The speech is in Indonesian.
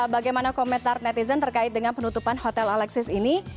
bagaimana komentar netizen terkait dengan penutupan hotel alexis ini